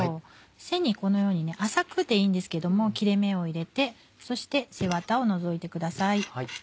背にこのように浅くでいいんですけども切れ目を入れてそして背ワタを除いてください。